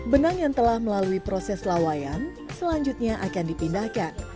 benang yang telah melalui proses lawayan selanjutnya akan dipindahkan